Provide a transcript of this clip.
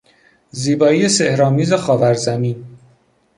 زیبایی سحر آمیز خاور زمین